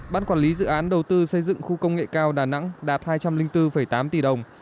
bán quản lý dự án đầu tư xây dựng khu công nghệ cao đà nẵng đạt hai trăm linh bốn tám tỷ đồng